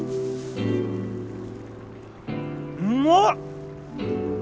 うまっ！